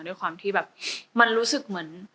ด้วยความที่แบบมันรู้สึกเหมือน